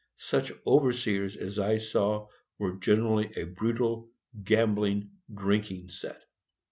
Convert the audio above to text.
Such overseers as I saw were generally a brutal, gambling, drinking set.